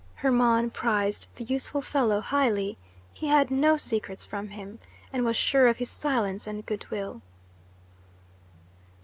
Hermon prized the useful fellow highly. He had no secrets from him, and was sure of his silence and good will.